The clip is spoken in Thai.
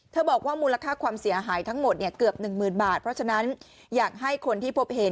บอกว่ามูลค่าความเสียหายทั้งหมดเนี่ยเกือบหนึ่งหมื่นบาทเพราะฉะนั้นอยากให้คนที่พบเห็น